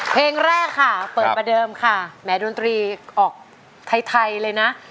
เพลงแรกค่ะเปิดประเดิมค่ะแหมดนตรีออกไทยเลยนะ